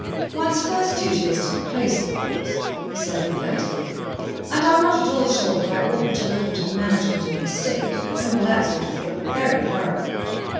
"One's first duty is to the place, of course," he said reflectively, "and I'm not at all sure that I oughtn't to look into the management of an estate, and all that sort of thing, very thoroughly.